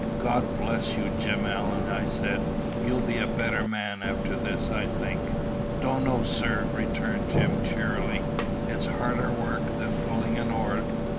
"God bless you, Jim Allen!" I said. "You'll be a better man after this, I think." "Donnow, sir," returned Jim cheerily. "It's harder work than pulling an oar."